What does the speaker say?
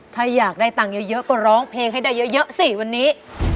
ถ้าอยากได้ตังค์เยอะก็ร้องเพลงให้ได้เยอะสิวันนี้